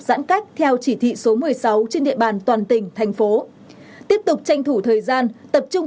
giãn cách theo chỉ thị số một mươi sáu trên địa bàn toàn tỉnh thành phố tiếp tục tranh thủ thời gian tập trung